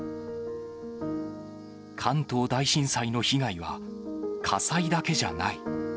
関東大震災の被害は、火災だけじゃない。